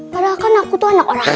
padahal kan aku tuh anak orang